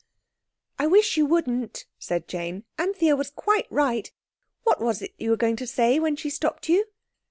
"I wish you wouldn't," said Jane. "Anthea was quite right. What was it you were going to say when she stopped you?"